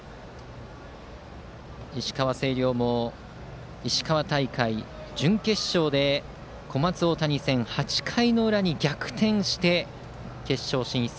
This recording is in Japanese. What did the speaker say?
石川・星稜も石川大会、準決勝で小松大谷戦、８回の裏に逆転して決勝進出。